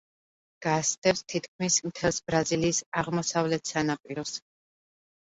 გასდევს თითქმის მთელს ბრაზილიის აღმოსავლეთ სანაპიროს.